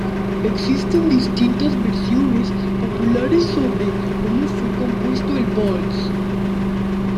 Existen distintas versiones populares sobre como fue compuesto el vals.